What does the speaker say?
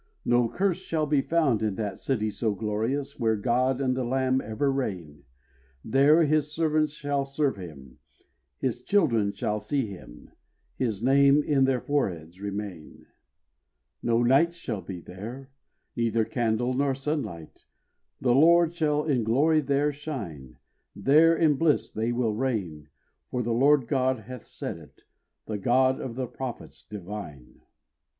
No curse shall be found in that city so glorious, Where God and the Lamb ever reign; There His servants shall serve Him, His children shall see Him, His name in their foreheads remain. No night shall be there, neither candle nor sunlight, The Lord shall in glory there shine; There in bliss they will reign, for the Lord God hath said it, The God of the prophets divine.